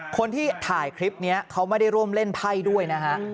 คนที่ถ่ายคลิปนี้เขาไม่ได้ร่วมเล่นไพ่ด้วยนะฮะ